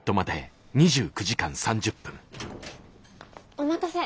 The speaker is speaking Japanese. お待たせ。